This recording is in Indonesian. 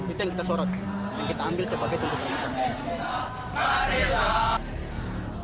itu yang kita sorot yang kita ambil sebagai tuntutan